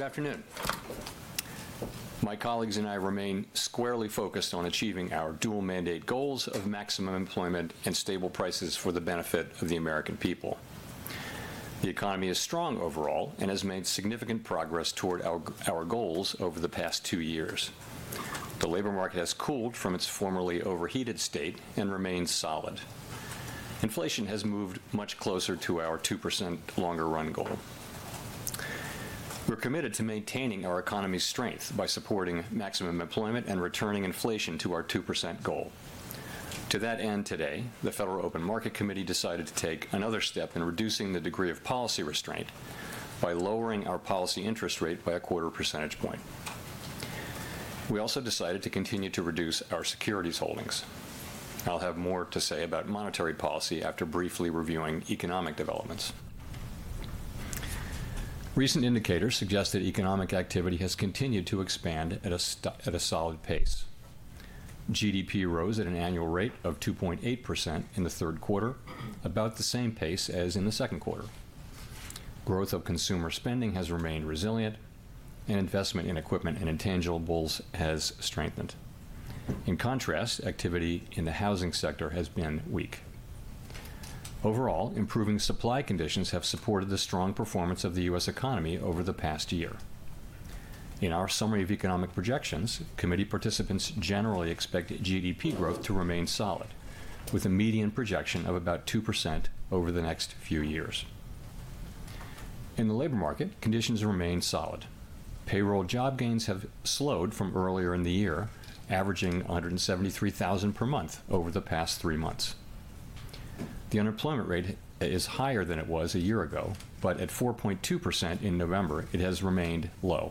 Good afternoon. My colleagues and I remain squarely focused on achieving our dual-mandate goals of maximum employment and stable prices for the benefit of the American people. The economy is strong overall and has made significant progress toward our goals over the past two years. The labor market has cooled from its formerly overheated state and remains solid. Inflation has moved much closer to our 2% longer-run goal. We're committed to maintaining our economy's strength by supporting maximum employment and returning inflation to our 2% goal. To that end, today, the Federal Open Market Committee decided to take another step in reducing the degree of policy restraint by lowering our policy interest rate by a quarter percentage point. We also decided to continue to reduce our securities holdings. I'll have more to say about monetary policy after briefly reviewing economic developments. Recent indicators suggest that economic activity has continued to expand at a solid pace. GDP rose at an annual rate of 2.8% in the third quarter, about the same pace as in the second quarter. Growth of consumer spending has remained resilient, and investment in equipment and intangibles has strengthened. In contrast, activity in the housing sector has been weak. Overall, improving supply conditions have supported the strong performance of the U.S. economy over the past year. In our summary of economic projections, Committee participants generally expect GDP growth to remain solid, with a median projection of about 2% over the next few years. In the labor market, conditions remain solid. Payroll job gains have slowed from earlier in the year, averaging 173,000 per month over the past three months. The unemployment rate is higher than it was a year ago, but at 4.2% in November, it has remained low.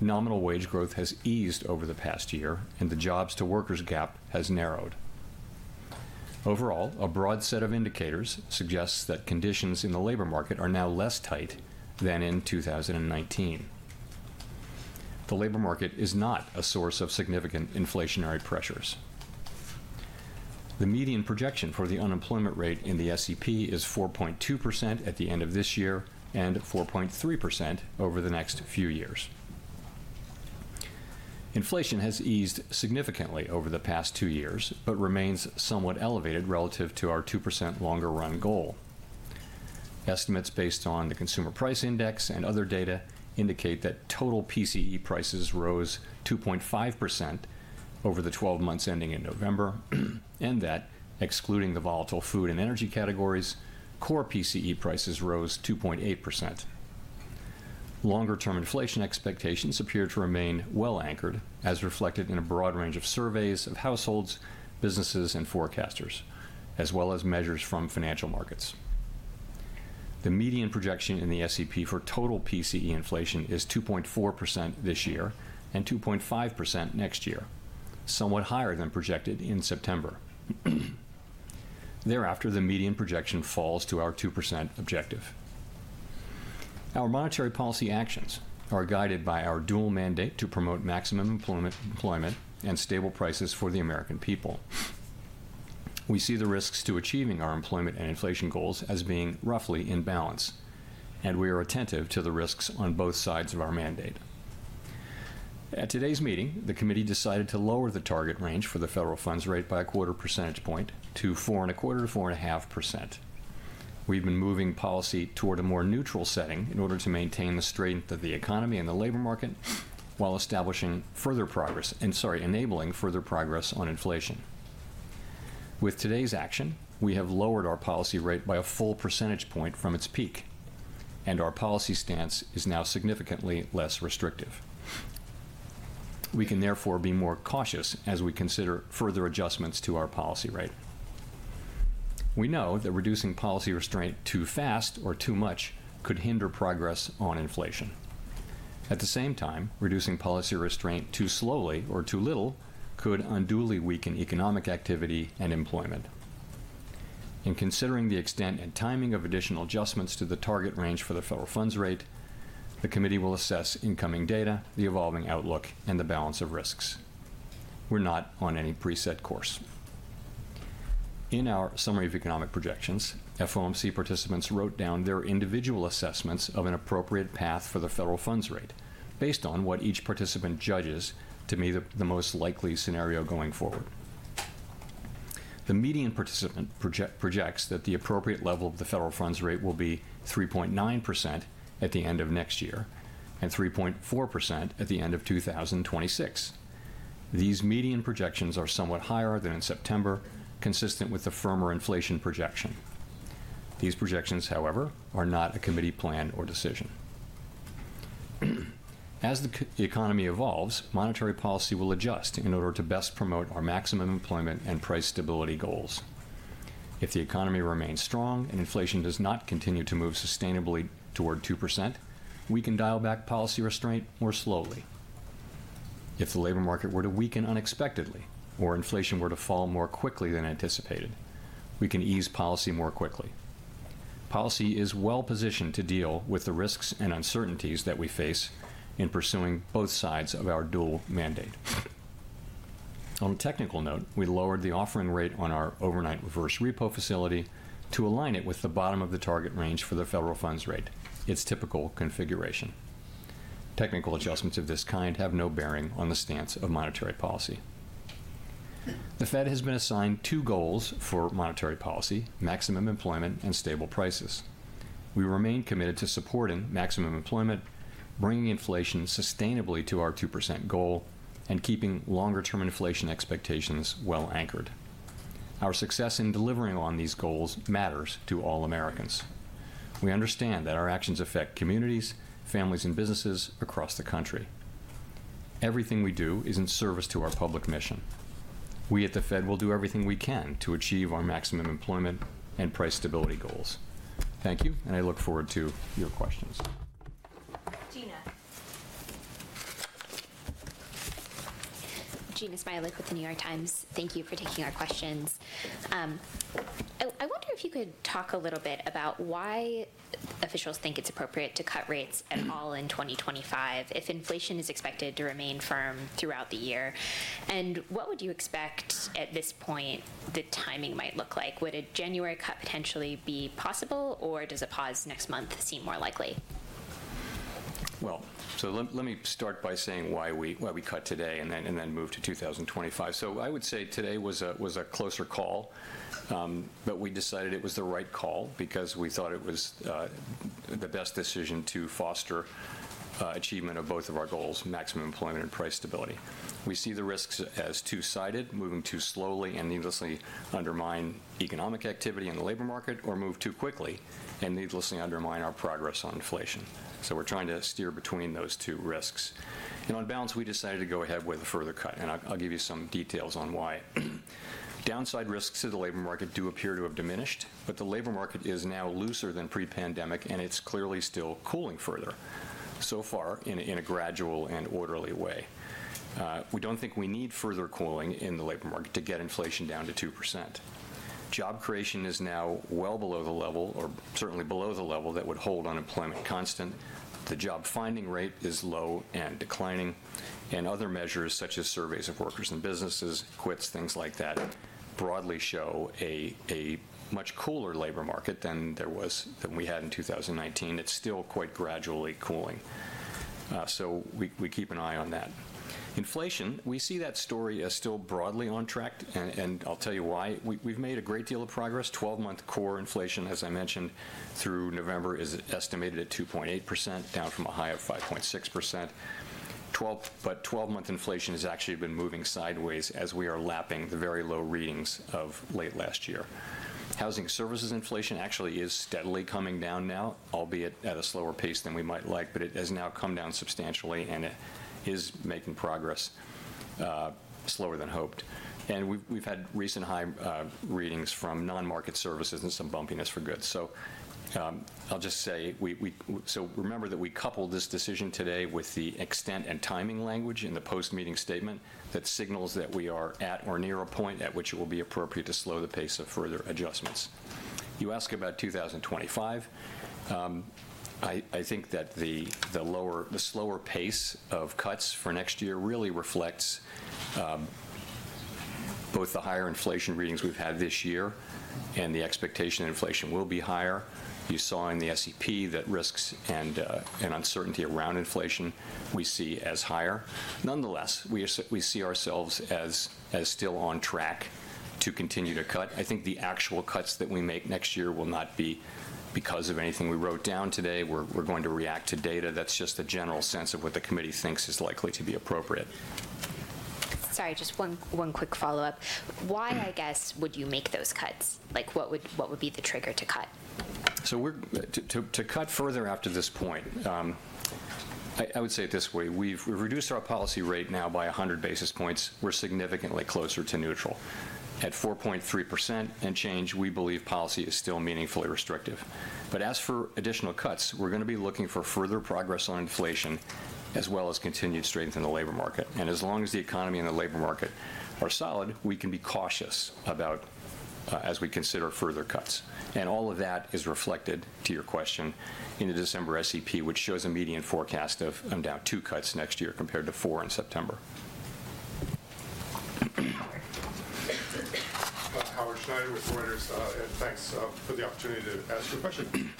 Nominal wage growth has eased over the past year, and the jobs-to-workers gap has narrowed. Overall, a broad set of indicators suggests that conditions in the labor market are now less tight than in 2019. The labor market is not a source of significant inflationary pressures. The median projection for the unemployment rate in the SEP is 4.2% at the end of this year and 4.3% over the next few years. Inflation has eased significantly over the past two years but remains somewhat elevated relative to our 2% longer-run goal. Estimates based on the Consumer Price Index and other data indicate that total PCE prices rose 2.5% over the 12 months ending in November, and that, excluding the volatile food and energy categories, core PCE prices rose 2.8%. Longer-term inflation expectations appear to remain well-anchored, as reflected in a broad range of surveys of households, businesses, and forecasters, as well as measures from financial markets. The median projection in the SEP for total PCE inflation is 2.4% this year and 2.5% next year, somewhat higher than projected in September. Thereafter, the median projection falls to our 2% objective. Our monetary policy actions are guided by our dual mandate to promote maximum employment and stable prices for the American people. We see the risks to achieving our employment and inflation goals as being roughly in balance, and we are attentive to the risks on both sides of our mandate. At today's meeting, the Committee decided to lower the target range for the federal funds rate by a quarter percentage point to 4.25%-4.5%. We've been moving policy toward a more neutral setting in order to maintain the strength of the economy and the labor market while establishing further progress and, sorry, enabling further progress on inflation. With today's action, we have lowered our policy rate by a full percentage point from its peak, and our policy stance is now significantly less restrictive. We can therefore be more cautious as we consider further adjustments to our policy rate. We know that reducing policy restraint too fast or too much could hinder progress on inflation. At the same time, reducing policy restraint too slowly or too little could unduly weaken economic activity and employment. In considering the extent and timing of additional adjustments to the target range for the federal funds rate, the Committee will assess incoming data, the evolving outlook, and the balance of risks. We're not on any preset course. In our Summary of Economic Projections, FOMC participants wrote down their individual assessments of an appropriate path for the federal funds rate based on what each participant judges to be the most likely scenario going forward. The median participant projects that the appropriate level of the federal funds rate will be 3.9% at the end of next year and 3.4% at the end of 2026. These median projections are somewhat higher than in September, consistent with the firmer inflation projection. These projections, however, are not a Committee plan or decision. As the economy evolves, monetary policy will adjust in order to best promote our maximum employment and price stability goals. If the economy remains strong and inflation does not continue to move sustainably toward 2%, we can dial back policy restraint more slowly. If the labor market were to weaken unexpectedly or inflation were to fall more quickly than anticipated, we can ease policy more quickly. Policy is well-positioned to deal with the risks and uncertainties that we face in pursuing both sides of our dual mandate. On a technical note, we lowered the offering rate on our overnight reverse repo facility to align it with the bottom of the target range for the federal funds rate, its typical configuration. Technical adjustments of this kind have no bearing on the stance of monetary policy. The Fed has been assigned two goals for monetary policy: maximum employment and stable prices. We remain committed to supporting maximum employment, bringing inflation sustainably to our 2% goal, and keeping longer-term inflation expectations well-anchored. Our success in delivering on these goals matters to all Americans. We understand that our actions affect communities, families, and businesses across the country. Everything we do is in service to our public mission. We at the Fed will do everything we can to achieve our maximum employment and price stability goals. Thank you, and I look forward to your questions. Jeanna. Jeanna Smialek with The New York Times. Thank you for taking our questions. I wonder if you could talk a little bit about why officials think it's appropriate to cut rates at all in 2025 if inflation is expected to remain firm throughout the year? And what would you expect at this point the timing might look like? Would a January cut potentially be possible, or does a pause next month seem more likely? Let me start by saying why we cut today and then move to 2025. I would say today was a closer call, but we decided it was the right call because we thought it was the best decision to foster achievement of both of our goals: maximum employment and price stability. We see the risks as two-sided: moving too slowly and needlessly undermine economic activity in the labor market, or move too quickly and needlessly undermine our progress on inflation. We're trying to steer between those two risks. On balance, we decided to go ahead with a further cut. I'll give you some details on why. Downside risks to the labor market do appear to have diminished, but the labor market is now looser than pre-pandemic, and it's clearly still cooling further, so far in a gradual and orderly way. We don't think we need further cooling in the labor market to get inflation down to 2%. Job creation is now well below the level, or certainly below the level that would hold unemployment constant. The job-finding rate is low and declining, and other measures, such as surveys of workers and businesses, quits, things like that, broadly show a much cooler labor market than there was, than we had in 2019. It's still quite gradually cooling, so we keep an eye on that. Inflation: we see that story as still broadly on track, and I'll tell you why. We've made a great deal of progress. Twelve-month core inflation, as I mentioned, through November is estimated at 2.8%, down from a high of 5.6%, but twelve-month inflation has actually been moving sideways as we are lapping the very low readings of late last year. Housing services inflation actually is steadily coming down now, albeit at a slower pace than we might like, but it has now come down substantially, and it is making progress slower than hoped, and we've had recent high readings from non-market services and some bumpiness in goods. So I'll just say, so remember that we coupled this decision today with the extent and timing language in the post-meeting statement that signals that we are at or near a point at which it will be appropriate to slow the pace of further adjustments. You ask about 2025. I think that the lower, the slower pace of cuts for next year really reflects both the higher inflation readings we've had this year and the expectation that inflation will be higher. You saw in the SEP that risks and uncertainty around inflation we see as higher. Nonetheless, we see ourselves as still on track to continue to cut. I think the actual cuts that we make next year will not be because of anything we wrote down today. We're going to react to data. That's just a general sense of what the Committee thinks is likely to be appropriate. Sorry, just one quick follow-up. Why, I guess, would you make those cuts? Like, what would be the trigger to cut? We're to cut further after this point, I would say it this way: we've reduced our policy rate now by 100 basis points. We're significantly closer to neutral. At 4.3% and change, we believe policy is still meaningfully restrictive. But as for additional cuts, we're going to be looking for further progress on inflation as well as continued strength in the labor market. And as long as the economy and the labor market are solid, we can be cautious about as we consider further cuts. And all of that is reflected, to your question, in the December SEP, which shows a median forecast of around two cuts next year compared to four in September. I'm Howard Schneider with Reuters. Thanks for the opportunity to ask you a question.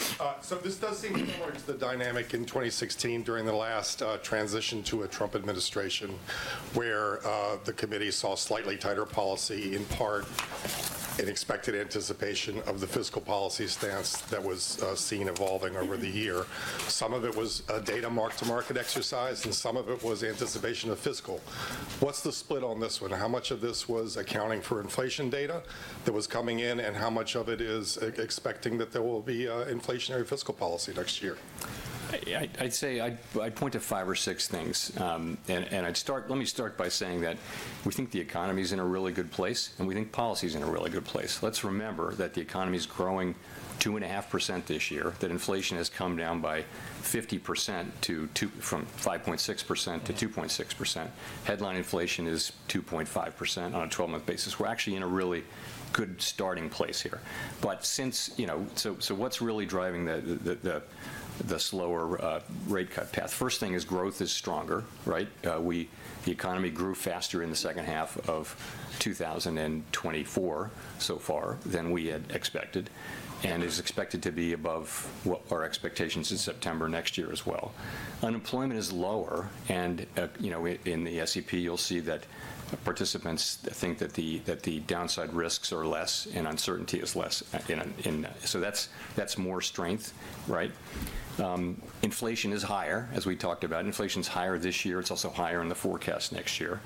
So this does seem similar to the dynamic in 2016 during the last transition to a Trump administration, where the Committee saw slightly tighter policy, in part in expected anticipation of the fiscal policy stance that was seen evolving over the year. Some of it was data mark-to-market exercise, and some of it was anticipation of fiscal. What's the split on this one? How much of this was accounting for inflation data that was coming in, and how much of it is expecting that there will be inflationary fiscal policy next year? I'd say I'd point to five or six things, and I'd start by saying that we think the economy is in a really good place, and we think policy is in a really good place. Let's remember that the economy is growing 2.5% this year, that inflation has come down by 50% from 5.6% to 2.6%. Headline inflation is 2.5% on a 12-month basis. We're actually in a really good starting place here, but since, you know, so what's really driving the slower rate cut path? First thing is growth is stronger, right? The economy grew faster in the second half of 2024 so far than we had expected, and is expected to be above what our expectations in September next year as well. Unemployment is lower, and, you know, in the SEP you'll see that participants think that the downside risks are less and uncertainty is less. So that's more strength, right? Inflation is higher, as we talked about. Inflation is higher this year. It's also higher in the forecast next year.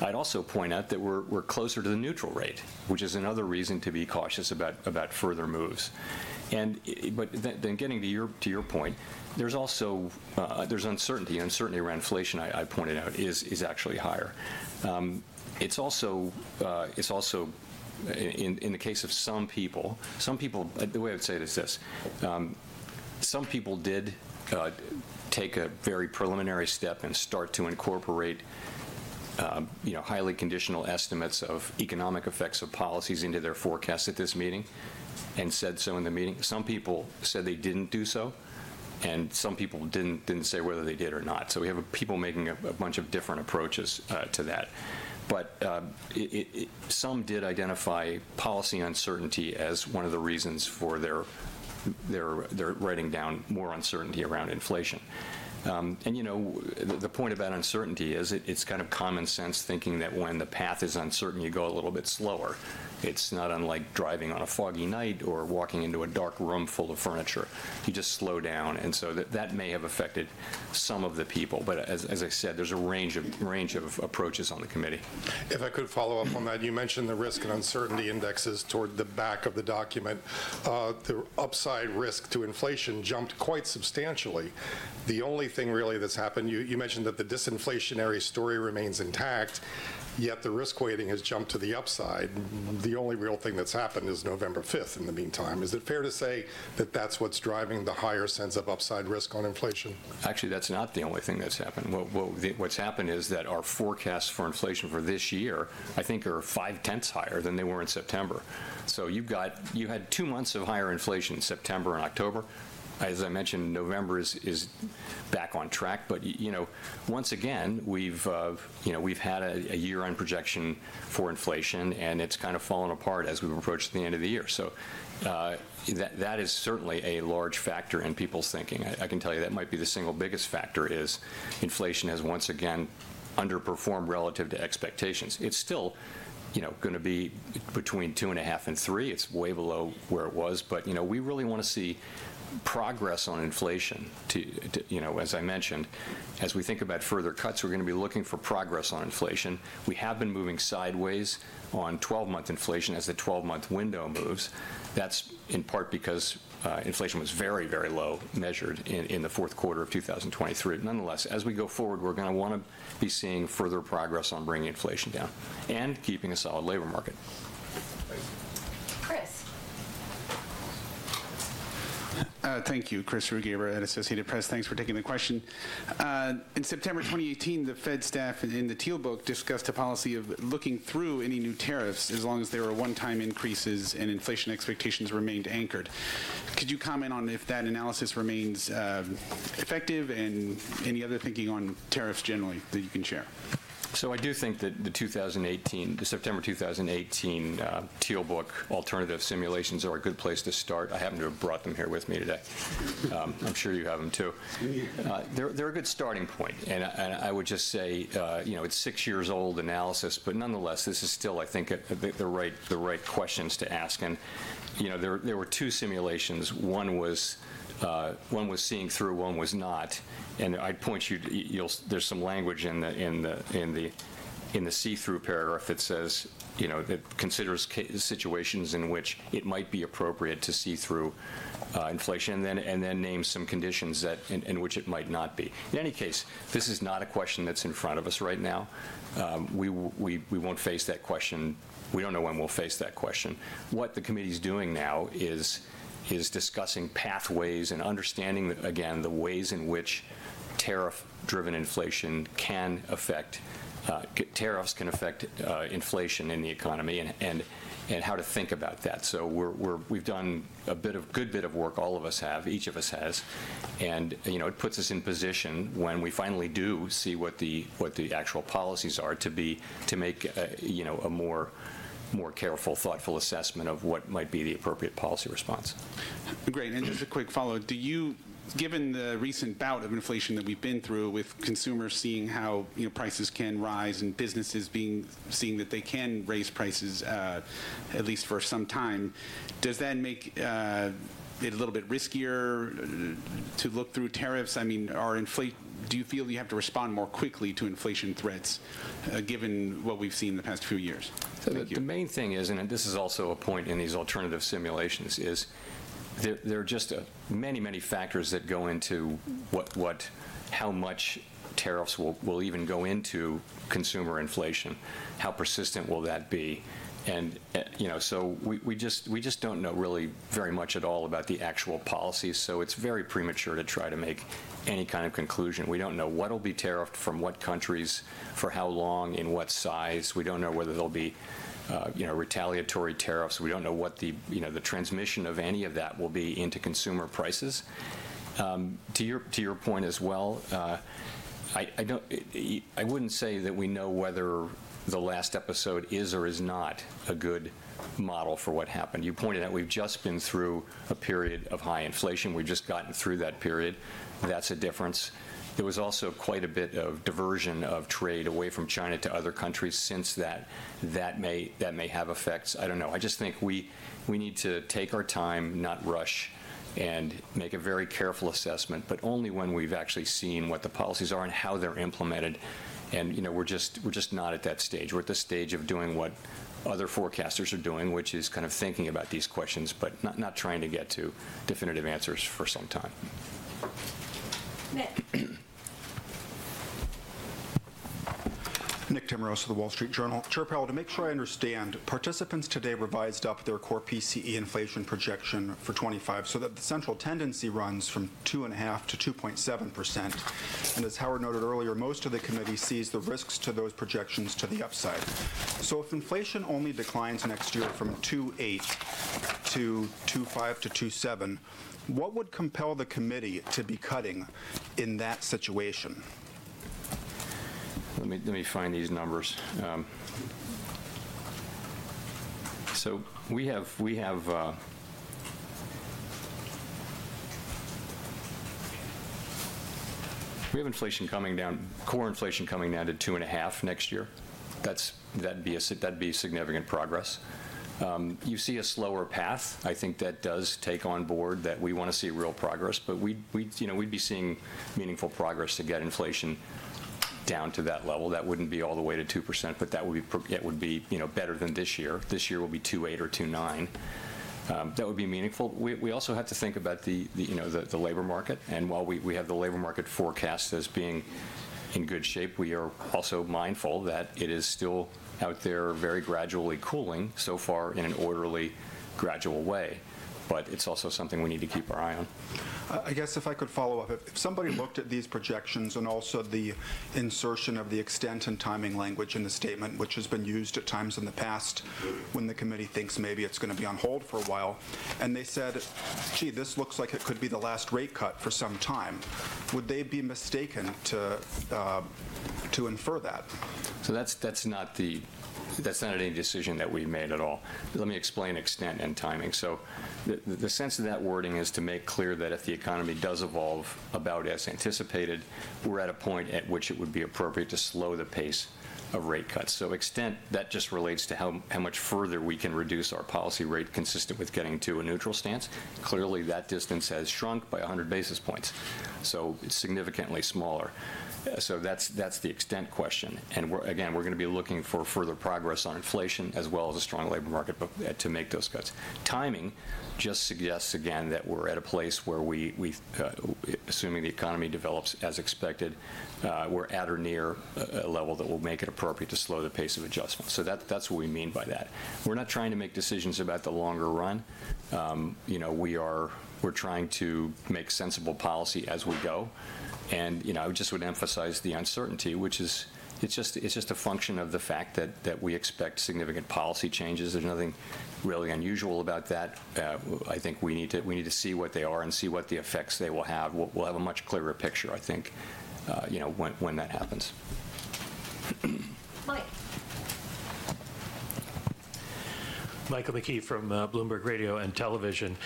I'd also point out that we're closer to the neutral rate, which is another reason to be cautious about further moves. But then getting to your point, there's also uncertainty. Uncertainty around inflation, I pointed out, is actually higher. It's also, in the case of some people, the way I would say it is this: some people did take a very preliminary step and start to incorporate, you know, highly conditional estimates of economic effects of policies into their forecast at this meeting and said so in the meeting. Some people said they didn't do so, and some people didn't say whether they did or not. So we have people making a bunch of different approaches to that. But some did identify policy uncertainty as one of the reasons for their writing down more uncertainty around inflation. And, you know, the point about uncertainty is it's kind of common sense thinking that when the path is uncertain, you go a little bit slower. It's not unlike driving on a foggy night or walking into a dark room full of furniture. You just slow down. And so that may have affected some of the people. But as I said, there's a range of approaches on the Committee. If I could follow up on that, you mentioned the risk and uncertainty indexes toward the back of the document. The upside risk to inflation jumped quite substantially. The only thing really that's happened, you mentioned that the disinflationary story remains intact, yet the risk weighting has jumped to the upside. The only real thing that's happened is November 5th in the meantime. Is it fair to say that that's what's driving the higher sense of upside risk on inflation? Actually, that's not the only thing that's happened. What's happened is that our forecasts for inflation for this year, I think, are five-tenths higher than they were in September. So you had two months of higher inflation in September and October. As I mentioned, November is back on track. But, you know, once again, we've had a year-end projection for inflation, and it's kind of fallen apart as we've approached the end of the year. So that is certainly a large factor in people's thinking. I can tell you, that might be the single biggest factor, is inflation has once again underperformed relative to expectations. It's still, you know, going to be between 2.5% and 3%. It's way below where it was. But, you know, we really want to see progress on inflation. You know, as I mentioned, as we think about further cuts, we're going to be looking for progress on inflation. We have been moving sideways on 12-month inflation as the 12-month window moves. That's in part because inflation was very, very low measured in the fourth quarter of 2023. Nonetheless, as we go forward, we're going to want to be seeing further progress on bringing inflation down and keeping a solid labor market. Chris. Thank you, Chris Rugaber at Associated Press. Thanks for taking the question. In September 2018, the Fed staff in the Tealbook discussed a policy of looking through any new tariffs as long as there were one-time increases and inflation expectations remained anchored. Could you comment on if that analysis remains effective and any other thinking on tariffs generally that you can share? So I do think that the September 2018 Tealbook alternative simulations are a good place to start. I happen to have brought them here with me today. I'm sure you have them, too. They're a good starting point. And I would just say, you know, it's six years old analysis, but nonetheless, this is still, I think, the right questions to ask. And, you know, there were two simulations. One was seeing through, one was not. And I'd point you to there's some language in the see-through paragraph that says, you know, that considers situations in which it might be appropriate to see through inflation and then name some conditions in which it might not be. In any case, this is not a question that's in front of us right now. We won't face that question. We don't know when we'll face that question. What the Committee is doing now is discussing pathways and understanding, again, the ways in which tariff-driven inflation can affect tariffs can affect inflation in the economy and how to think about that. So we've done a good bit of work, all of us have, each of us has. And, you know, it puts us in a position when we finally do see what the actual policies are to be to make, you know, a more careful, thoughtful assessment of what might be the appropriate policy response. Great. And just a quick follow-up. Do you, given the recent bout of inflation that we've been through with consumers seeing how, you know, prices can rise and businesses seeing that they can raise prices at least for some time, does that make it a little bit riskier to look through tariffs? I mean, or inflation, do you feel you have to respond more quickly to inflation threats given what we've seen in the past few years? So the main thing is, and this is also a point in these alternative simulations, is there are just many, many factors that go into what how much tariffs will even go into consumer inflation, how persistent will that be. And, you know, so we just we just don't know really very much at all about the actual policy. So it's very premature to try to make any kind of conclusion. We don't know what will be tariffed from what countries, for how long, in what size. We don't know whether there'll be, you know, retaliatory tariffs. We don't know what the, you know, the transmission of any of that will be into consumer prices. To your point as well, I don't I wouldn't say that we know whether the last episode is or is not a good model for what happened. You pointed out we've just been through a period of high inflation. We've just gotten through that period. That's a difference. There was also quite a bit of diversion of trade away from China to other countries since that may have effects. I don't know. I just think we need to take our time, not rush, and make a very careful assessment, but only when we've actually seen what the policies are and how they're implemented. And, you know, we're just not at that stage. We're at the stage of doing what other forecasters are doing, which is kind of thinking about these questions, but not trying to get to definitive answers for some time. Nick. Nick Timiraos of The Wall Street Journal. Chair Powell, to make sure I understand, participants today revised up their core PCE inflation projection for 2025 so that the central tendency runs from 2.5%-2.7%. And as Howard noted earlier, most of the Committee sees the risks to those projections to the upside. So if inflation only declines next year from 2.8% to 2.5%-2.7%, what would compel the Committee to be cutting in that situation? Let me find these numbers. We have inflation coming down, core inflation coming down to 2.5% next year. That'd be significant progress. You see a slower path. I think that does take on board that we want to see real progress. But we'd, you know, we'd be seeing meaningful progress to get inflation down to that level. That wouldn't be all the way to 2%, but that would be, you know, better than this year. This year will be 2.8% or 2.9%. That would be meaningful. We also have to think about the, you know, the labor market, while we have the labor market forecast as being in good shape. We are also mindful that it is still out there very gradually cooling so far in an orderly, gradual way. But it's also something we need to keep an eye on. I guess if I could follow up, if somebody looked at these projections and also the insertion of the extent and timing language in the statement, which has been used at times in the past when the Committee thinks maybe it's going to be on hold for a while, and they said, "Gee, this looks like it could be the last rate cut for some time," would they be mistaken to infer that? So that's not any decision that we've made at all. Let me explain extent and timing. So the sense of that wording is to make clear that if the economy does evolve about as anticipated, we're at a point at which it would be appropriate to slow the pace of rate cuts. So extent that just relates to how much further we can reduce our policy rate consistent with getting to a neutral stance. Clearly, that distance has shrunk by 100 basis points. So it's significantly smaller. So that's the extent question. And we're again going to be looking for further progress on inflation as well as a strong labor market to make those cuts. Timing just suggests, again, that we're at a place where we're assuming the economy develops as expected, we're at or near a level that will make it appropriate to slow the pace of adjustment. So that's what we mean by that. We're not trying to make decisions about the longer run. You know, we're trying to make sensible policy as we go, and you know, I just would emphasize the uncertainty, which is it's just a function of the fact that we expect significant policy changes. There's nothing really unusual about that. I think we need to see what they are and see what the effects they will have. We'll have a much clearer picture, I think, you know, when that happens. Mike. Michael McKee from Bloomberg Radio and Television.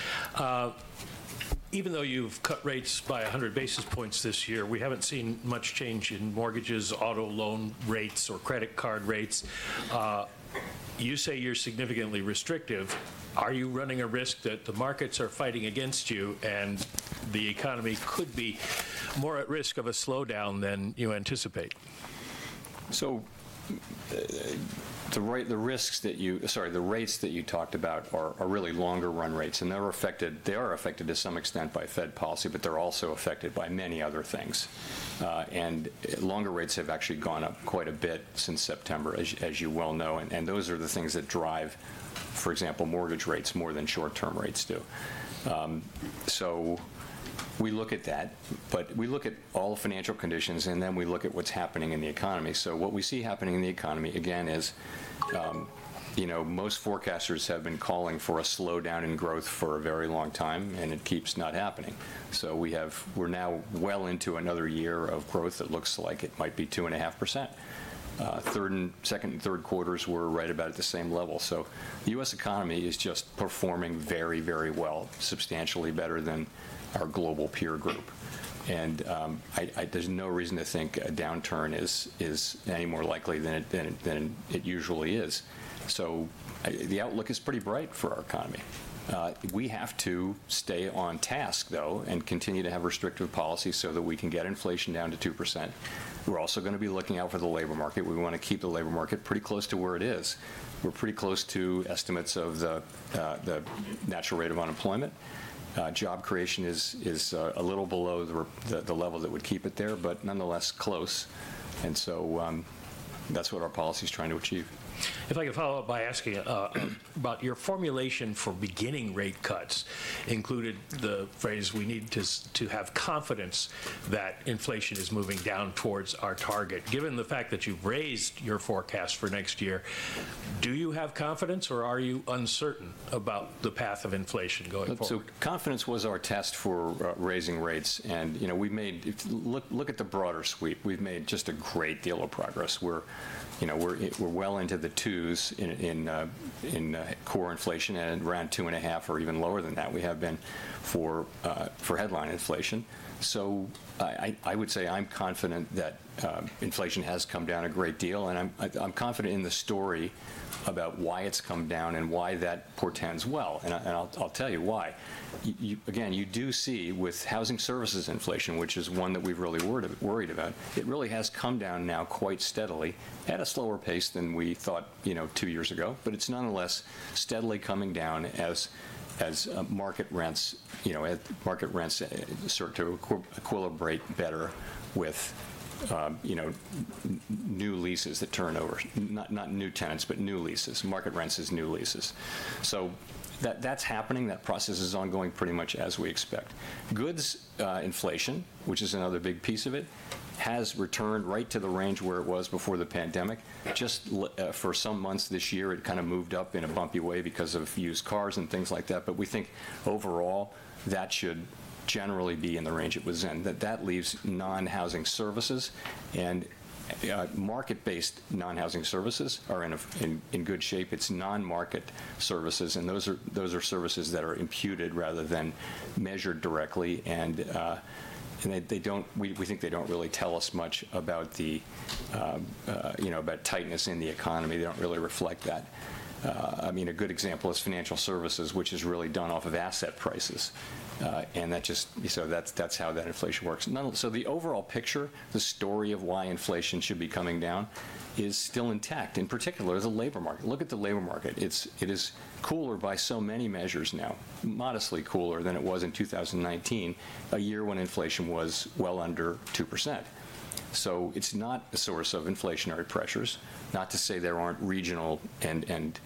Even though you've cut rates by 100 basis points this year, we haven't seen much change in mortgages, auto loan rates, or credit card rates. You say you're significantly restrictive. Are you running a risk that the markets are fighting against you and the economy could be more at risk of a slowdown than you anticipate? So the rates that you talked about are really longer-run rates. And they're affected to some extent by Fed policy, but they're also affected by many other things. And longer rates have actually gone up quite a bit since September, as you well know. And those are the things that drive, for example, mortgage rates more than short-term rates do. So we look at that. But we look at all financial conditions, and then we look at what's happening in the economy. So what we see happening in the economy, again, is, you know, most forecasters have been calling for a slowdown in growth for a very long time, and it keeps not happening. So we're now well into another year of growth that looks like it might be 2.5%. Second and third quarters were right about at the same level. So the U.S. economy is just performing very, very well, substantially better than our global peer group. And there's no reason to think a downturn is any more likely than it usually is. So the outlook is pretty bright for our economy. We have to stay on task, though, and continue to have restrictive policy so that we can get inflation down to 2%. We're also going to be looking out for the labor market. We want to keep the labor market pretty close to where it is. We're pretty close to estimates of the natural rate of unemployment. Job creation is a little below the level that would keep it there, but nonetheless close. And so that's what our policy is trying to achieve. If I could follow up by asking about your formulation for beginning rate cuts included the phrase, "We need to have confidence that inflation is moving down towards our target." Given the fact that you've raised your forecast for next year, do you have confidence, or are you uncertain about the path of inflation going forward? Confidence was our test for raising rates. You know, we've made. Look at the broader sweep. We've made just a great deal of progress. We're, you know, we're well into the 2%s in core inflation and around 2.5% or even lower than that we have been for headline inflation. I would say I'm confident that inflation has come down a great deal. I'm confident in the story about why it's come down and why that portends well. I'll tell you why. Again, you do see with housing services inflation, which is one that we've really worried about. It really has come down now quite steadily at a slower pace than we thought, you know, two years ago. But it's nonetheless steadily coming down as market rents, you know, as market rents start to equilibrate better with, you know, new leases that turn over not new tenants, but new leases. Market rents as new leases. So that's happening. That process is ongoing pretty much as we expect. Goods inflation, which is another big piece of it, has returned right to the range where it was before the pandemic. Just for some months this year, it kind of moved up in a bumpy way because of used cars and things like that. But we think overall that should generally be in the range it was in. That leaves non-housing services. And market-based non-housing services are in good shape. It's non-market services. And those are services that are imputed rather than measured directly. And they don't, we think, really tell us much about the, you know, tightness in the economy. They don't really reflect that. I mean, a good example is financial services, which is really done off of asset prices. And that just so that's how that inflation works. So the overall picture, the story of why inflation should be coming down is still intact, in particular the labor market. Look at the labor market. It is cooler by so many measures now, modestly cooler than it was in 2019, a year when inflation was well under 2%. So it's not a source of inflationary pressures. Not to say there aren't regional and,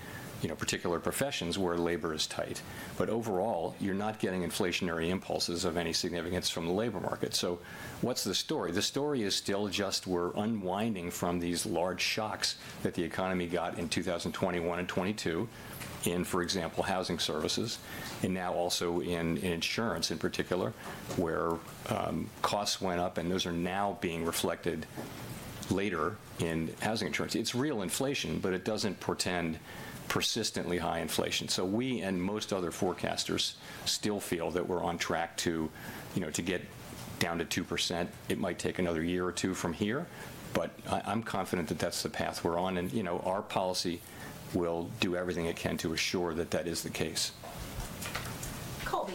you know, particular professions where labor is tight. But overall, you're not getting inflationary impulses of any significance from the labor market. So what's the story? The story is still just we're unwinding from these large shocks that the economy got in 2021 and 2022 in, for example, housing services, and now also in insurance in particular, where costs went up, and those are now being reflected later in housing insurance. It's real inflation, but it doesn't portend persistently high inflation, so we and most other forecasters still feel that we're on track to, you know, to get down to 2%. It might take another year or two from here, but I'm confident that that's the path we're on, and, you know, our policy will do everything it can to assure that that is the case. Colby.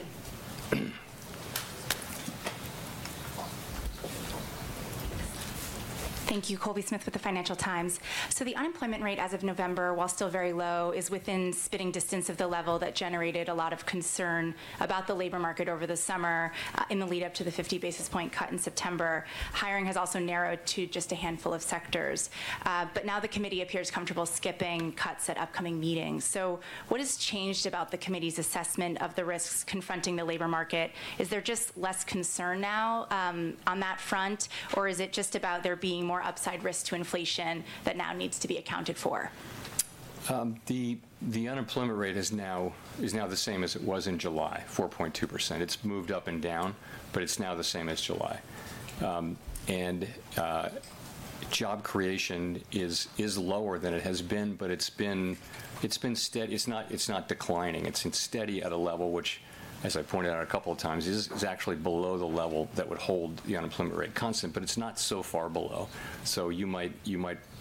Thank you. Colby Smith with The Financial Times. So the unemployment rate as of November, while still very low, is within spitting distance of the level that generated a lot of concern about the labor market over the summer in the lead-up to the 50 basis point cut in September. Hiring has also narrowed to just a handful of sectors. But now the Committee appears comfortable skipping cuts at upcoming meetings. So what has changed about the Committee's assessment of the risks confronting the labor market? Is there just less concern now on that front, or is it just about there being more upside risk to inflation that now needs to be accounted for? The unemployment rate is now the same as it was in July, 4.2%. It's moved up and down, but it's now the same as July. And job creation is lower than it has been, but it's been steady. It's not declining. It's steady at a level which, as I pointed out a couple of times, is actually below the level that would hold the unemployment rate constant. But it's not so far below. So you might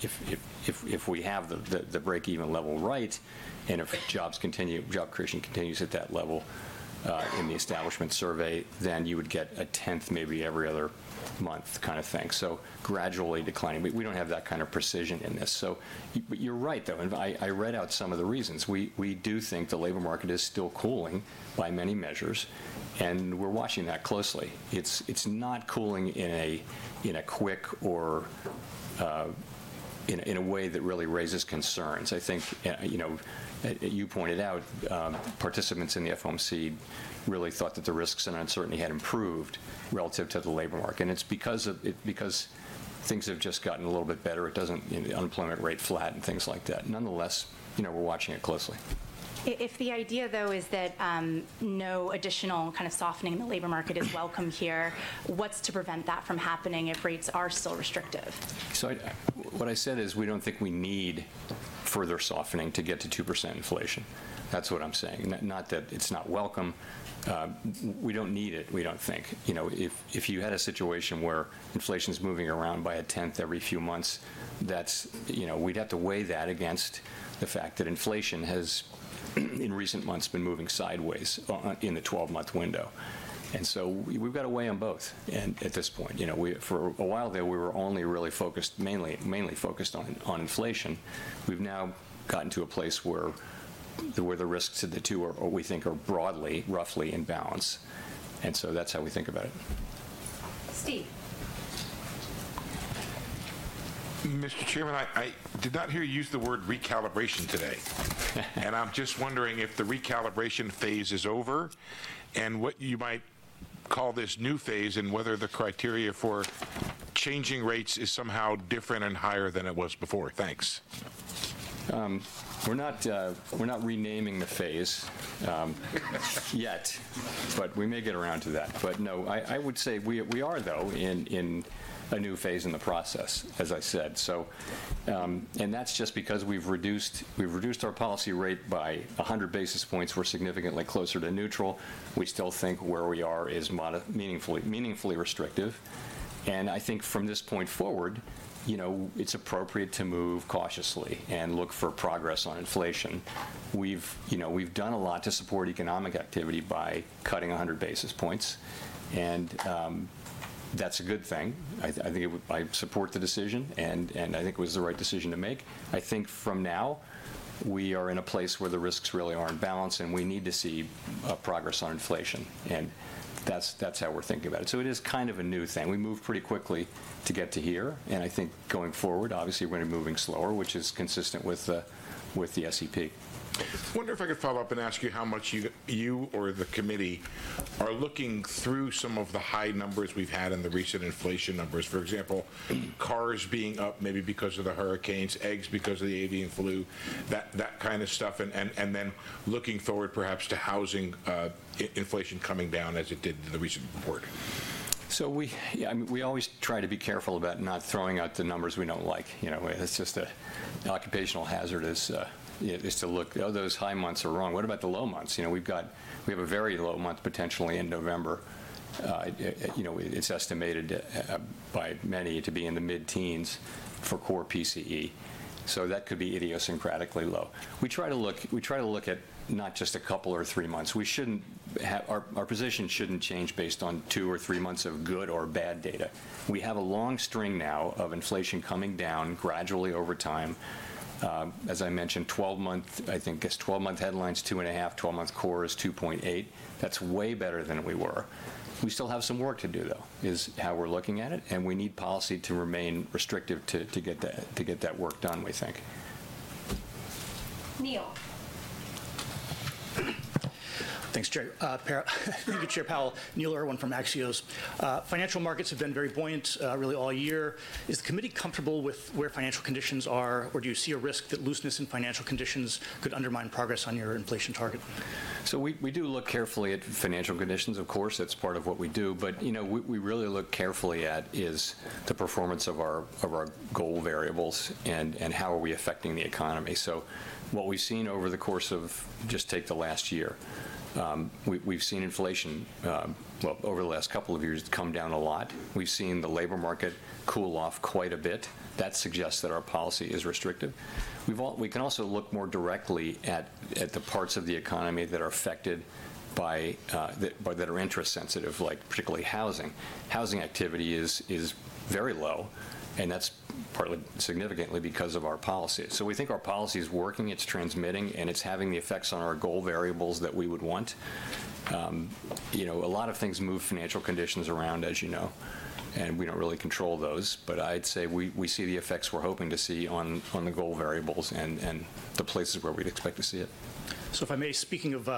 if we have the break-even level right and if job creation continues at that level in the establishment survey, then you would get a tenth maybe every other month kind of thing. So gradually declining. We don't have that kind of precision in this. So you're right, though. And I read out some of the reasons. We do think the labor market is still cooling by many measures. We're watching that closely. It's not cooling in a quick or in a way that really raises concerns. I think, you know, you pointed out participants in the FOMC really thought that the risks and uncertainty had improved relative to the labor market. It's because things have just gotten a little bit better. It doesn't, unemployment rate flat and things like that. Nonetheless, you know, we're watching it closely. If the idea, though, is that no additional kind of softening in the labor market is welcome here, what's to prevent that from happening if rates are still restrictive? So what I said is we don't think we need further softening to get to 2% inflation. That's what I'm saying. Not that it's not welcome. We don't need it, we don't think. You know, if you had a situation where inflation's moving around by a tenth every few months, that's, you know, we'd have to weigh that against the fact that inflation has in recent months been moving sideways in the 12-month window. And so we've got to weigh on both at this point. You know, for a while there, we were only really focused mainly on inflation. We've now gotten to a place where the risks of the two are, we think, broadly, roughly in balance. And so that's how we think about it. Steve. Mr. Chairman, I did not hear you use the word recalibration today, and I'm just wondering if the recalibration phase is over and what you might call this new phase and whether the criteria for changing rates is somehow different and higher than it was before. Thanks. We're not renaming the phase yet, but we may get around to that. But no, I would say we are, though, in a new phase in the process, as I said. So, and that's just because we've reduced our policy rate by 100 basis points. We're significantly closer to neutral. We still think where we are is meaningfully restrictive. And I think from this point forward, you know, it's appropriate to move cautiously and look for progress on inflation. We've, you know, we've done a lot to support economic activity by cutting 100 basis points. And that's a good thing. I think I support the decision. And I think it was the right decision to make. I think from now we are in a place where the risks really are in balance, and we need to see progress on inflation. And that's how we're thinking about it. So it is kind of a new thing. We moved pretty quickly to get to here. And I think going forward, obviously, we're going to be moving slower, which is consistent with the SEP. I wonder if I could follow up and ask you how much you or the Committee are looking through some of the high numbers we've had in the recent inflation numbers? For example, cars being up maybe because of the hurricanes, eggs because of the avian flu, that kind of stuff, and then looking forward perhaps to housing inflation coming down as it did in the recent report. So, yeah, we always try to be careful about not throwing out the numbers we don't like. You know, it's just an occupational hazard to look; those high months are wrong. What about the low months? You know, we've got a very low month potentially in November. You know, it's estimated by many to be in the mid-teens for core PCE. So that could be idiosyncratically low. We try to look at not just a couple or three months. Our position shouldn't change based on two or three months of good or bad data. We have a long string now of inflation coming down gradually over time. As I mentioned, 12-month, I think 12-month headlines 2.5, 12-month core is 2.8. That's way better than we were. We still have some work to do, though, is how we're looking at it, and we need policy to remain restrictive to get that work done, we think. Neil. Thanks, Chair. I think it's Chair Powell. Neil Irwin from Axios. Financial markets have been very buoyant really all year. Is the Committee comfortable with where financial conditions are, or do you see a risk that looseness in financial conditions could undermine progress on your inflation target? So we do look carefully at financial conditions, of course. That's part of what we do. But, you know, we really look carefully at is the performance of our goal variables and how are we affecting the economy. So what we've seen over the course of just take the last year, we've seen inflation, well, over the last couple of years come down a lot. We've seen the labor market cool off quite a bit. That suggests that our policy is restrictive. We can also look more directly at the parts of the economy that are affected by that are interest-sensitive, like particularly housing. Housing activity is very low. And that's partly significantly because of our policy. So we think our policy is working. It's transmitting. And it's having the effects on our goal variables that we would want. You know, a lot of things move financial conditions around, as you know. And we don't really control those. But I'd say we see the effects we're hoping to see on the goal variables and the places where we'd expect to see it. If I may, speaking of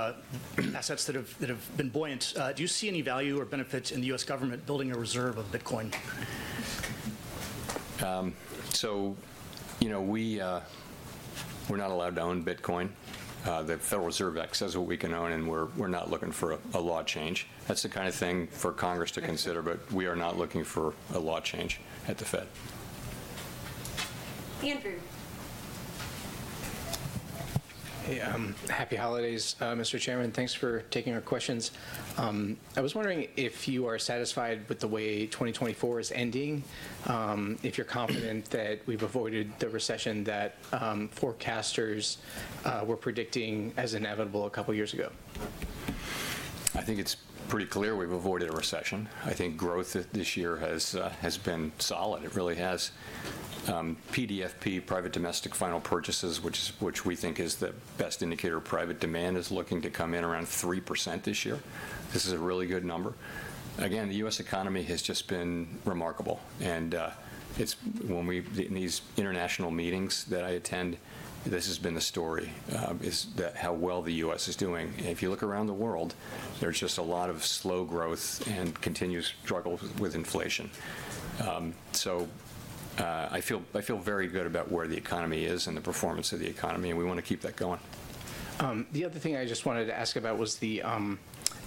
assets that have been buoyant, do you see any value or benefit in the U.S. government building a reserve of Bitcoin? So, you know, we're not allowed to own Bitcoin. The Federal Reserve Act says what we can own. And we're not looking for a law change. That's the kind of thing for Congress to consider. But we are not looking for a law change at the Fed. Andrew. Hey. Happy holidays, Mr. Chairman. Thanks for taking our questions. I was wondering if you are satisfied with the way 2024 is ending, if you're confident that we've avoided the recession that forecasters were predicting as inevitable a couple of years ago? I think it's pretty clear we've avoided a recession. I think growth this year has been solid. It really has. PDFP, private domestic final purchases, which we think is the best indicator of private demand, is looking to come in around 3% this year. This is a really good number. Again, the U.S. economy has just been remarkable, and it's when we're in these international meetings that I attend, this has been the story is how well the U.S. is doing, and if you look around the world, there's just a lot of slow growth and continuous struggle with inflation, so I feel very good about where the economy is and the performance of the economy, and we want to keep that going. The other thing I just wanted to ask about was the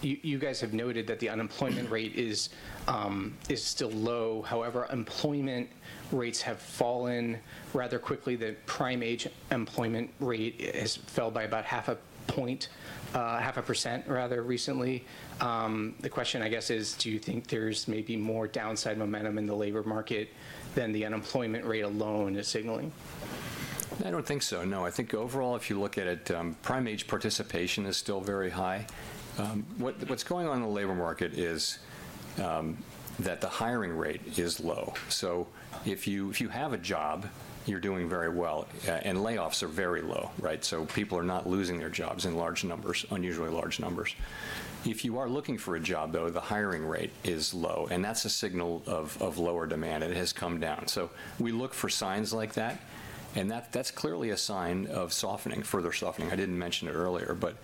you guys have noted that the unemployment rate is still low. However, employment rates have fallen rather quickly. The prime-age employment rate has fell by about half a point, half a percent, rather, recently. The question, I guess, is: Do you think there's maybe more downside momentum in the labor market than the unemployment rate alone is signaling? I don't think so, no. I think overall, if you look at it, prime-age participation is still very high. What's going on in the labor market is that the hiring rate is low. So if you have a job, you're doing very well. And layoffs are very low, right? So people are not losing their jobs in large numbers, unusually large numbers. If you are looking for a job, though, the hiring rate is low. And that's a signal of lower demand. It has come down. So we look for signs like that. And that's clearly a sign of softening, further softening. I didn't mention it earlier. But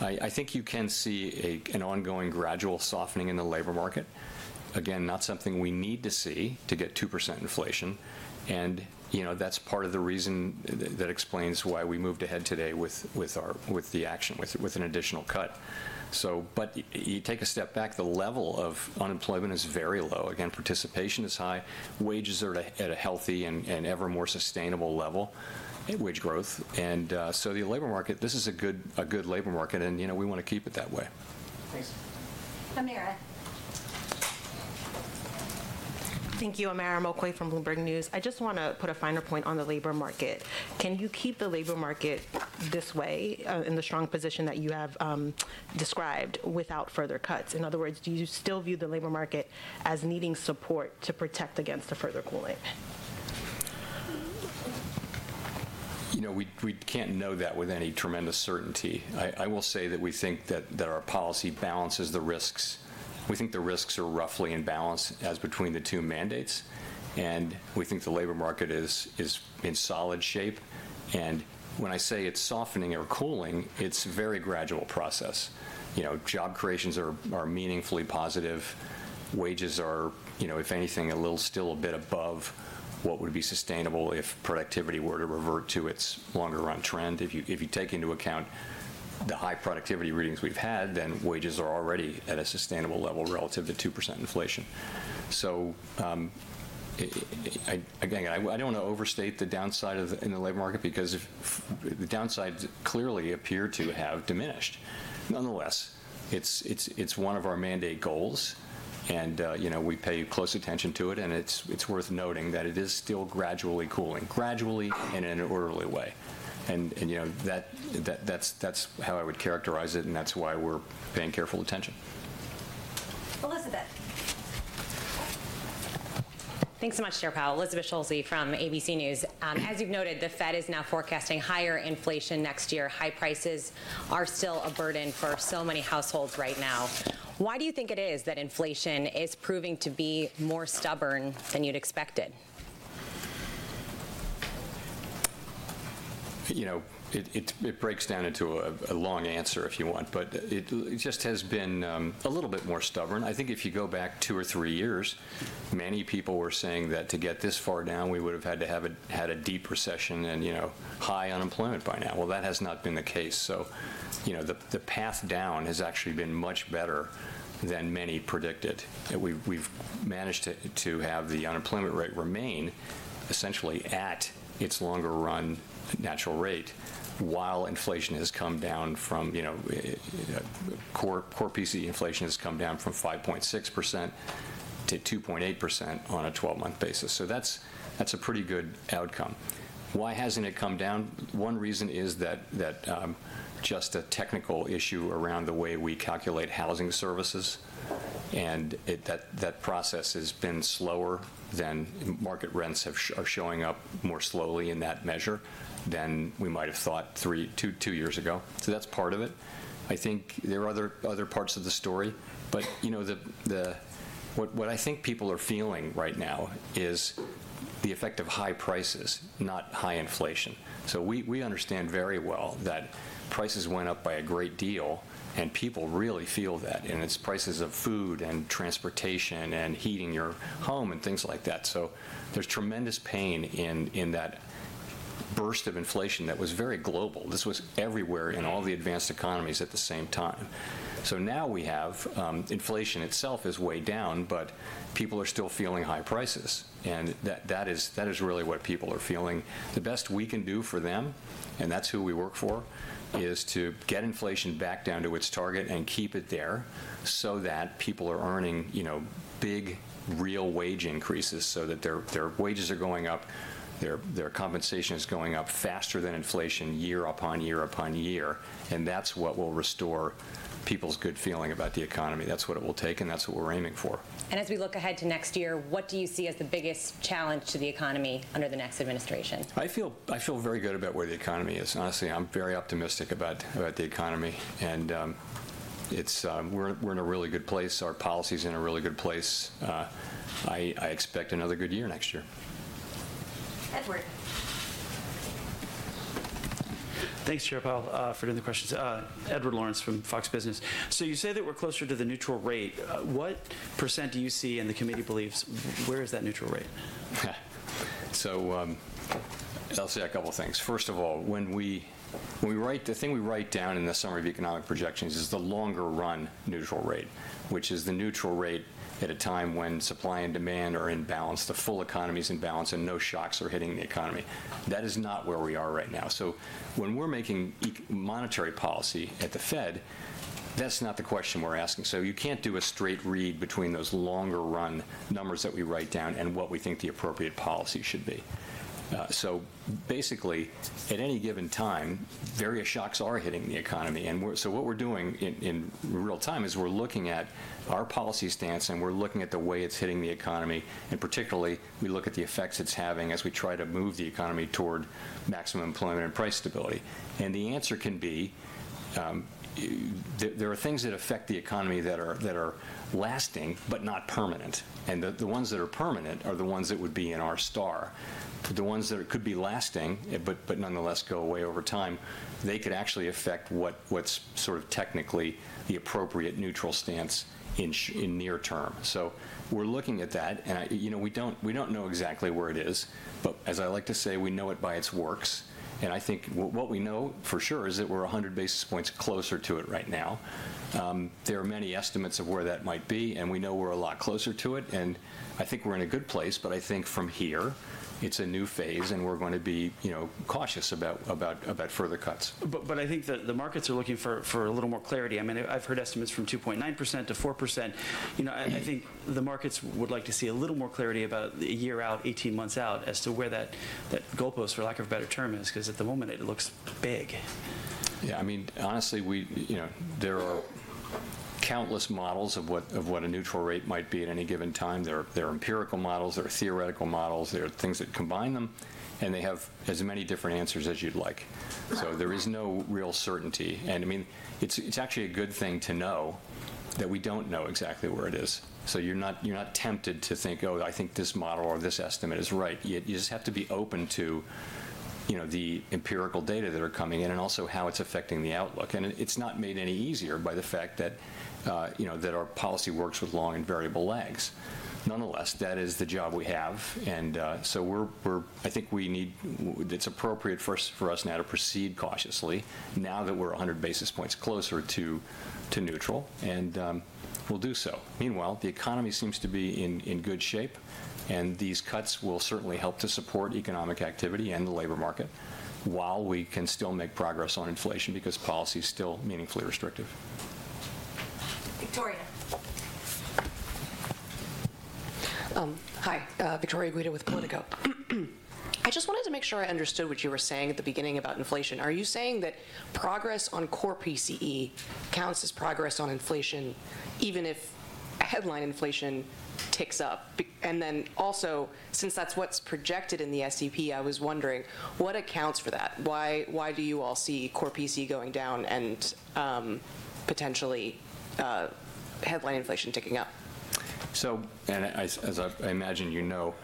I think you can see an ongoing gradual softening in the labor market. Again, not something we need to see to get 2% inflation. And, you know, that's part of the reason that explains why we moved ahead today with the action, with an additional cut. But you take a step back, the level of unemployment is very low. Again, participation is high. Wages are at a healthy and ever more sustainable level at wage growth. And so the labor market, this is a good labor market. And, you know, we want to keep it that way. Thanks. Amara. Thank you. Amara Omeokwe from Bloomberg News. I just want to put a finer point on the labor market. Can you keep the labor market this way in the strong position that you have described without further cuts? In other words, do you still view the labor market as needing support to protect against a further cooling? You know, we can't know that with any tremendous certainty. I will say that we think that our policy balances the risks. We think the risks are roughly in balance as between the two mandates. And we think the labor market has been in solid shape. And when I say it's softening or cooling, it's a very gradual process. You know, job creations are meaningfully positive. Wages are, you know, if anything, a little still a bit above what would be sustainable if productivity were to revert to its longer-run trend. If you take into account the high productivity readings we've had, then wages are already at a sustainable level relative to 2% inflation. So again, I don't want to overstate the downside in the labor market because the downside clearly appeared to have diminished. Nonetheless, it's one of our mandate goals. And, you know, we pay close attention to it. And it's worth noting that it is still gradually cooling, gradually and in an orderly way. And, you know, that's how I would characterize it. And that's why we're paying careful attention. Elizabeth. Thanks so much, Chair Powell. Elizabeth Schulze from ABC News. As you've noted, the Fed is now forecasting higher inflation next year. High prices are still a burden for so many households right now. Why do you think it is that inflation is proving to be more stubborn than you'd expected? You know, it breaks down into a long answer, if you want. But it just has been a little bit more stubborn. I think if you go back two or three years, many people were saying that to get this far down, we would have had to have had a deep recession and, you know, high unemployment by now. Well, that has not been the case. So, you know, the path down has actually been much better than many predicted. We've managed to have the unemployment rate remain essentially at its longer-run natural rate while inflation has come down from, you know, core PCE inflation has come down from 5.6% to 2.8% on a 12-month basis. So that's a pretty good outcome. Why hasn't it come down? One reason is that just a technical issue around the way we calculate housing services. That process has been slower than market rents are showing up more slowly in that measure than we might have thought two years ago. So that's part of it. I think there are other parts of the story. But, you know, what I think people are feeling right now is the effect of high prices, not high inflation. So we understand very well that prices went up by a great deal. And people really feel that. And it's prices of food and transportation and heating your home and things like that. So there's tremendous pain in that burst of inflation that was very global. This was everywhere in all the advanced economies at the same time. So now we have inflation itself is way down. But people are still feeling high prices. And that is really what people are feeling. The best we can do for them, and that's who we work for, is to get inflation back down to its target and keep it there so that people are earning, you know, big, real wage increases so that their wages are going up, their compensation is going up faster than inflation year upon year upon year. And that's what will restore people's good feeling about the economy. That's what it will take. And that's what we're aiming for. As we look ahead to next year, what do you see as the biggest challenge to the economy under the next administration? I feel very good about where the economy is. Honestly, I'm very optimistic about the economy. And we're in a really good place. Our policy is in a really good place. I expect another good year next year. Edward. Thanks, Chair Powell, for doing the questions. Edward Lawrence from Fox Business. So you say that we're closer to the neutral rate. What percent do you see in the Committee believes where is that neutral rate? Yeah. So I'll say a couple of things. First of all, when we write the thing we write down in the Summary of Economic Projections is the longer-run neutral rate, which is the neutral rate at a time when supply and demand are in balance, the full economy is in balance, and no shocks are hitting the economy. That is not where we are right now. So when we're making monetary policy at the Fed, that's not the question we're asking. So you can't do a straight read between those longer-run numbers that we write down and what we think the appropriate policy should be. So basically, at any given time, various shocks are hitting the economy. And so what we're doing in real time is we're looking at our policy stance. And we're looking at the way it's hitting the economy. And particularly, we look at the effects it's having as we try to move the economy toward maximum employment and price stability. And the answer can be there are things that affect the economy that are lasting but not permanent. And the ones that are permanent are the ones that would be in our r-star. The ones that could be lasting but nonetheless go away over time, they could actually affect what's sort of technically the appropriate neutral stance in near term. So we're looking at that. And, you know, we don't know exactly where it is. But as I like to say, we know it by its works. And I think what we know for sure is that we're 100 basis points closer to it right now. There are many estimates of where that might be. And we know we're a lot closer to it. And I think we're in a good place. But I think from here, it's a new phase. And we're going to be, you know, cautious about further cuts. But I think that the markets are looking for a little more clarity. I mean, I've heard estimates from 2.9% to 4%. You know, I think the markets would like to see a little more clarity about a year out, 18 months out, as to where that goalpost, for lack of a better term, is because at the moment, it looks big. Yeah. I mean, honestly, we, you know, there are countless models of what a neutral rate might be at any given time. There are empirical models. There are theoretical models. There are things that combine them, and they have as many different answers as you'd like, so there is no real certainty, and I mean, it's actually a good thing to know that we don't know exactly where it is, so you're not tempted to think, oh, I think this model or this estimate is right. You just have to be open to, you know, the empirical data that are coming in and also how it's affecting the outlook, and it's not made any easier by the fact that, you know, that our policy works with long and variable lags. Nonetheless, that is the job we have. I think it's appropriate for us now to proceed cautiously, now that we're 100 basis points closer to neutral. We'll do so. Meanwhile, the economy seems to be in good shape. These cuts will certainly help to support economic activity and the labor market while we can still make progress on inflation because policy is still meaningfully restrictive. Victoria. Hi. Victoria Guida with Politico. I just wanted to make sure I understood what you were saying at the beginning about inflation. Are you saying that progress on core PCE counts as progress on inflation, even if headline inflation ticks up? And then also, since that's what's projected in the SEP, I was wondering what accounts for that? Why do you all see core PCE going down and potentially headline inflation ticking up? So, and as I imagine you know,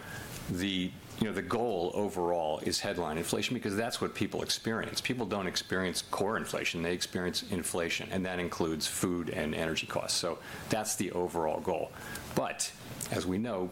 you know, the goal overall is headline inflation because that's what people experience. People don't experience core inflation. They experience inflation. And that includes food and energy costs. So that's the overall goal. But as we know,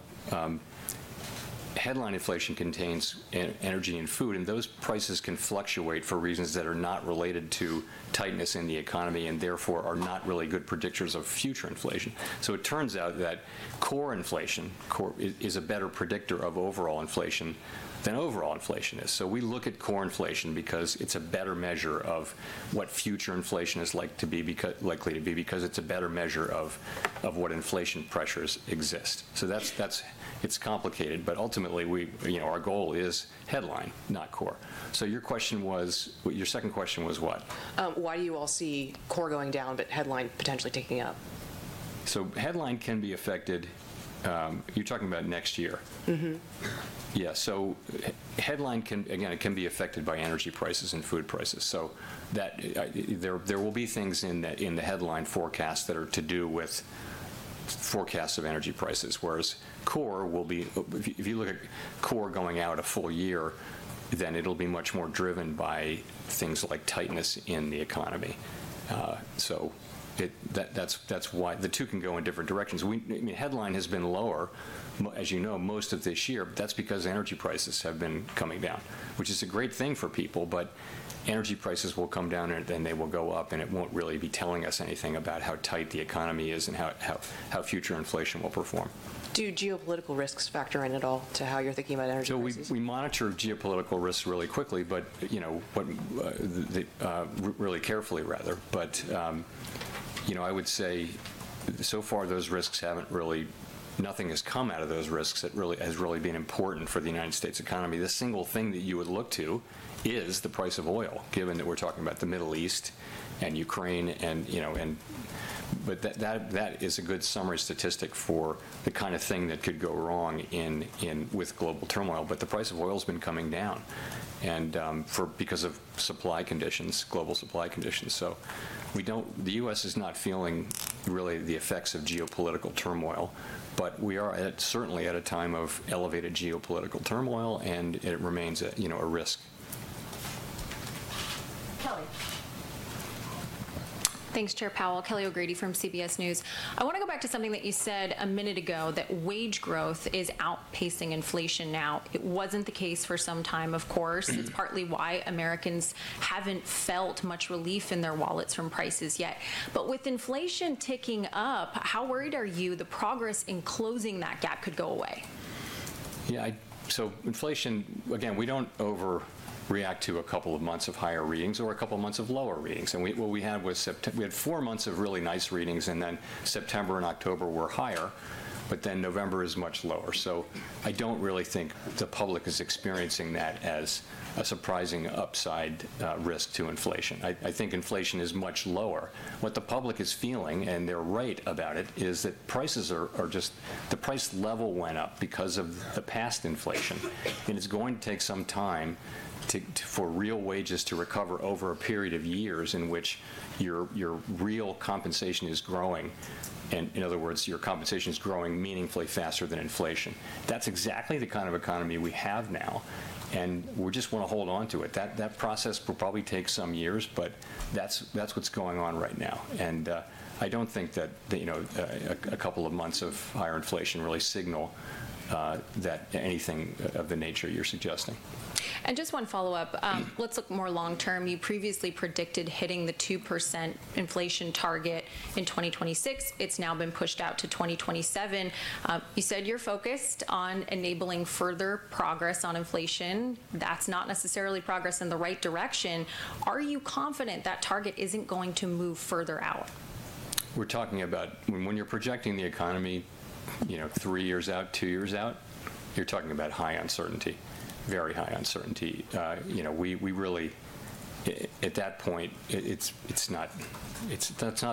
headline inflation contains energy and food. And those prices can fluctuate for reasons that are not related to tightness in the economy and therefore are not really good predictors of future inflation. So it turns out that core inflation is a better predictor of overall inflation than overall inflation is. So we look at core inflation because it's a better measure of what future inflation is likely to be because it's a better measure of what inflation pressures exist. So that's, it's complicated. But ultimately, we, you know, our goal is headline, not core. So your second question was what? Why do you all see core going down but headline potentially ticking up? Headline can be affected? You're talking about next year? Mm-hmm. Yeah. So headline can, again, it can be affected by energy prices and food prices. So that there will be things in the headline forecast that are to do with forecasts of energy prices. Whereas core will be if you look at core going out a full year, then it'll be much more driven by things like tightness in the economy. So that's why the two can go in different directions. I mean, headline has been lower, as you know, most of this year. But that's because energy prices have been coming down, which is a great thing for people. But energy prices will come down, and then they will go up. And it won't really be telling us anything about how tight the economy is and how future inflation will perform. Do geopolitical risks factor in at all to how you're thinking about energy? We monitor geopolitical risks really quickly, but, you know, really carefully, rather. But, you know, I would say so far those risks haven't really; nothing has come out of those risks that really has been important for the United States economy. The single thing that you would look to is the price of oil, given that we're talking about the Middle East and Ukraine. You know, that is a good summary statistic for the kind of thing that could go wrong with global turmoil. The price of oil has been coming down because of supply conditions, global supply conditions. The U.S. is not feeling really the effects of geopolitical turmoil. We are certainly at a time of elevated geopolitical turmoil. It remains a risk. Kelly. Thanks, Chair Powell. Kelly O'Grady from CBS News. I want to go back to something that you said a minute ago that wage growth is outpacing inflation now. It wasn't the case for some time, of course. It's partly why Americans haven't felt much relief in their wallets from prices yet. But with inflation ticking up, how worried are you the progress in closing that gap could go away? Yeah. So inflation, again, we don't overreact to a couple of months of higher readings or a couple of months of lower readings. And what we had was we had four months of really nice readings. And then September and October were higher. But then November is much lower. So I don't really think the public is experiencing that as a surprising upside risk to inflation. I think inflation is much lower. What the public is feeling and they're right about it is that prices are just the price level went up because of the past inflation. And it's going to take some time for real wages to recover over a period of years in which your real compensation is growing. And in other words, your compensation is growing meaningfully faster than inflation. That's exactly the kind of economy we have now. And we just want to hold on to it. That process will probably take some years. But that's what's going on right now. And I don't think that, you know, a couple of months of higher inflation really signal that anything of the nature you're suggesting. And just one follow-up. Let's look more long term. You previously predicted hitting the 2% inflation target in 2026. It's now been pushed out to 2027. You said you're focused on enabling further progress on inflation. That's not necessarily progress in the right direction. Are you confident that target isn't going to move further out? We're talking about when you're projecting the economy, you know, three years out, two years out. You're talking about high uncertainty, very high uncertainty. You know, we really at that point, it's not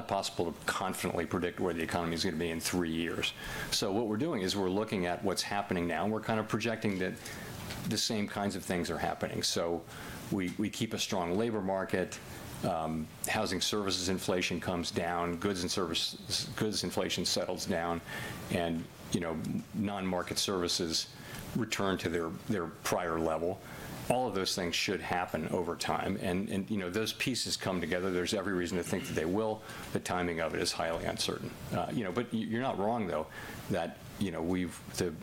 possible to confidently predict where the economy is going to be in three years. So what we're doing is we're looking at what's happening now, and we're kind of projecting that the same kinds of things are happening, so we keep a strong labor market. Housing services inflation comes down. Goods and services goods inflation settles down, and, you know, non-market services return to their prior level. All of those things should happen over time, and, you know, those pieces come together. There's every reason to think that they will. The timing of it is highly uncertain. You know, but you're not wrong, though, that you know, we've,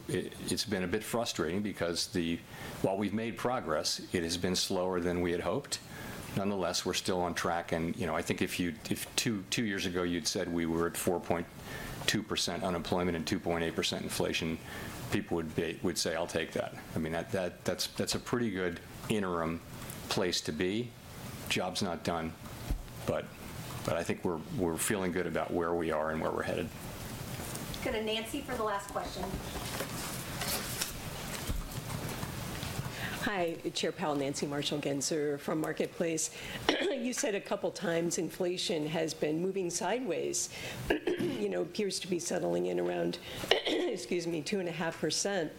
it's been a bit frustrating because while we've made progress, it has been slower than we had hoped. Nonetheless, we're still on track, and you know, I think if two years ago you'd said we were at 4.2% unemployment and 2.8% inflation, people would say, I'll take that. I mean, that's a pretty good interim place to be. Job's not done, but I think we're feeling good about where we are and where we're headed. Go to Nancy for the last question. Hi. Chair Powell, Nancy Marshall-Genzer from Marketplace. You said a couple of times inflation has been moving sideways. You know, appears to be settling in around, excuse me, 2.5%.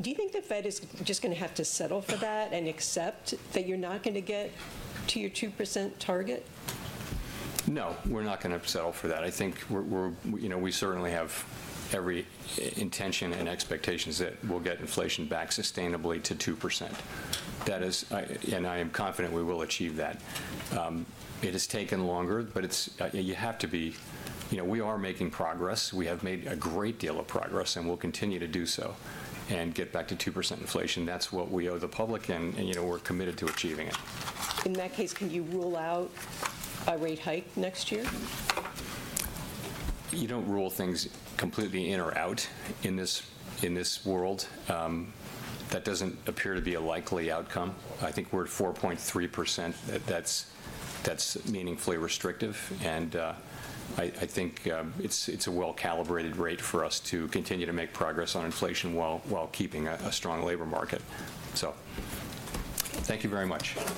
Do you think the Fed is just going to have to settle for that and accept that you're not going to get to your 2% target? No. We're not going to settle for that. I think we're, you know, we certainly have every intention and expectations that we'll get inflation back sustainably to 2%. That is, and I am confident we will achieve that. It has taken longer, but it's you have to be, you know, we are making progress. We have made a great deal of progress, and we'll continue to do so and get back to 2% inflation. That's what we owe the public, and, you know, we're committed to achieving it. In that case, can you rule out a rate hike next year? You don't rule things completely in or out in this world. That doesn't appear to be a likely outcome. I think we're at 4.3%. That's meaningfully restrictive, and I think it's a well-calibrated rate for us to continue to make progress on inflation while keeping a strong labor market, so thank you very much.